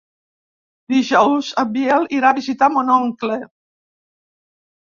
Dijous en Biel irà a visitar mon oncle.